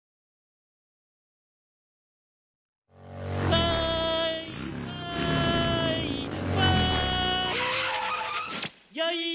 わいわいわい！